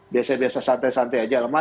biasa biasa santai santai aja lemah